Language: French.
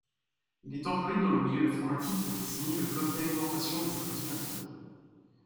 Il est employé dans le milieu informatique pour désigner le bloc d'alimentation des ordinateurs.